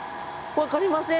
分かりません。